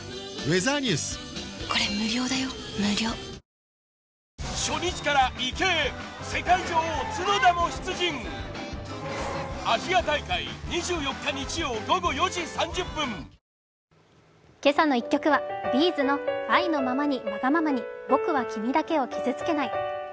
香りに驚くアサヒの「颯」「けさの１曲」はＢ’ｚの「愛のままにわがままに僕は君だけを傷つけない」